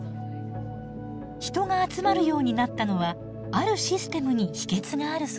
人が集まるようになったのはあるシステムに秘けつがあるそうです。